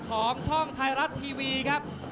ของช่องไทยรัฐทีวีครับ